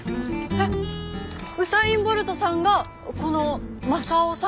えっウサイン・ボルトさんがこの昌夫さん？